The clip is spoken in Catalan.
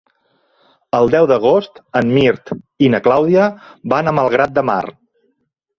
El deu d'agost en Mirt i na Clàudia van a Malgrat de Mar.